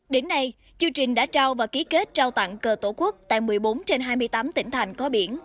đến nay chương trình đã trao và ký kết trao tặng cờ tổ quốc tại một mươi bốn trên hai mươi tám tỉnh thành có biển